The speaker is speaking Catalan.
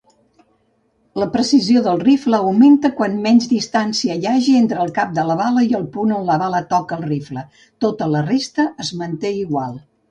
La precisió del rifle augmenta quanta menys distància hi hagi entre el cap de la bala i el punt on la bala toca el rifle, tota la resta es manté igual.